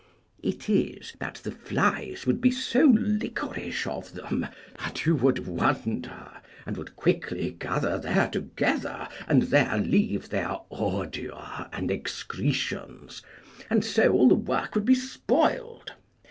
It is, that the flies would be so liquorish of them that you would wonder, and would quickly gather there together, and there leave their ordure and excretions, and so all the work would be spoiled.